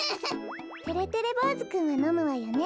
てれてれぼうずくんはのむわよね？